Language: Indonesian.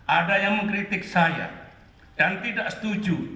ada yang mengkritik saya dan tidak setuju